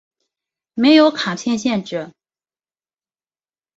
没有卡片限制。